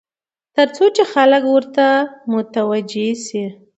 تر څو چې خلک ورته متوجع شي.